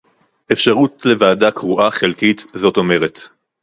אפשרות לוועדה קרואה חלקית; זאת אומרת